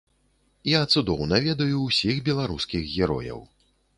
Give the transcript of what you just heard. Я цудоўна ведаю ўсіх беларускіх герояў.